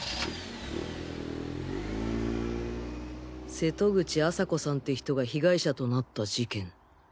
瀬戸口朝子さんって人が被害者となった事件。